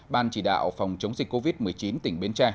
ban chỉ đạo phòng chống dịch covid một mươi chín tỉnh bến tre